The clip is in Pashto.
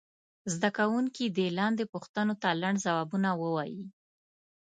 زده کوونکي دې لاندې پوښتنو ته لنډ ځوابونه ووایي.